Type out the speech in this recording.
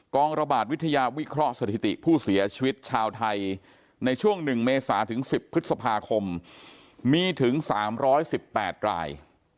ระบาดวิทยาวิเคราะห์สถิติผู้เสียชีวิตชาวไทยในช่วง๑เมษาถึง๑๐พฤษภาคมมีถึง๓๑๘ราย